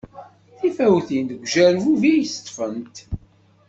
Tifawtin deg ujerbub ay ṭṭfent.